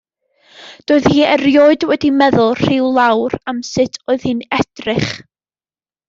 Doedd hi erioed wedi meddwl rhyw lawr am sut oedd hi'n edrych.